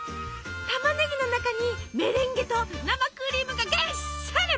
たまねぎの中にメレンゲと生クリームがぎっしり！